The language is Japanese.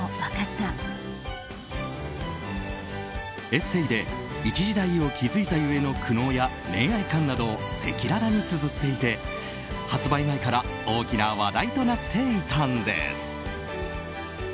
エッセーで一時代を築いた故の苦悩や恋愛観などを赤裸々につづっていて発売前から大きな話題となっていたんです。